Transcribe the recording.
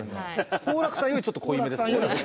好楽さんよりちょっと濃いめですね。